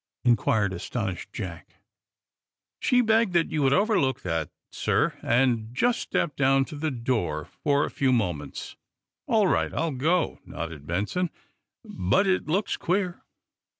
inquired astonished Jack. "No, sir; she begged you would overlook that, sir, and just step down to the door for a few moments." "All right; I'll go," nodded Benson. "But it looks queer."